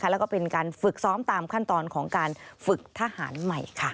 แล้วก็เป็นการฝึกซ้อมตามขั้นตอนของการฝึกทหารใหม่